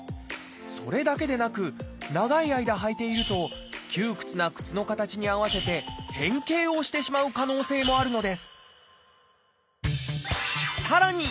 それだけでなく長い間履いていると窮屈な靴の形に合わせて変形をしてしまう可能性もあるのですさらに